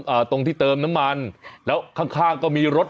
อ่าตรงที่เติมน้ำมันแล้วข้างก็มีรถ